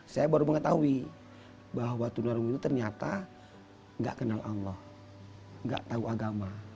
saya baru mengetahui bahwa tunarungu itu ternyata nggak kenal allah nggak tahu agama